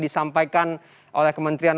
disampaikan oleh kementerian